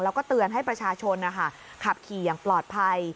แล้วก็เตือนให้ประชาชนขับขี่อย่างปลอดภัย